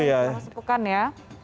selama sepukan ya